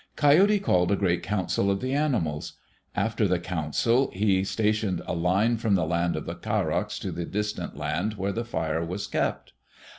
Coyote called a great council of the animals. After the council he stationed a line from the land of the Karoks to the distant land where the fire was kept.